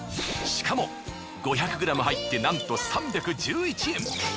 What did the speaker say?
しかも５００ｇ入ってなんと３１１円。